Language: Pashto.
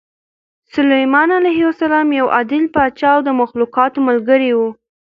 سلیمان علیه السلام یو عادل پاچا او د مخلوقاتو ملګری و.